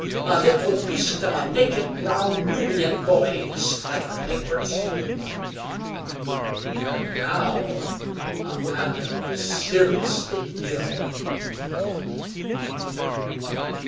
"A little beast of a naked brown Nubian boy," spluttered Egbert. And now Amanda is seriously ill.